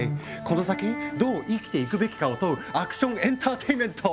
この先どう生きていくべきかを問うアクションエンターテインメント！